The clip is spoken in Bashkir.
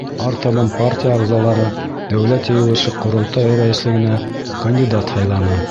Артабан партия ағзалары Дәүләт Йыйылышы — Ҡоролтай рәйеслегенә кандидат һайланы.